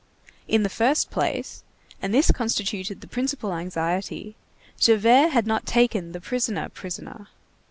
In the first place, and this constituted the principal anxiety, Javert had not taken the prisoner prisoner.